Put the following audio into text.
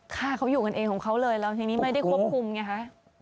ฆ่าเขาอยู่กันเองของเขาเลยแล้วทีนี้ไม่ได้ควบคุมไงคะ